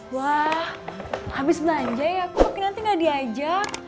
wah habis belanja ya kok nanti gak diajak